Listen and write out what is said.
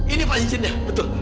ini pak cincinnya betul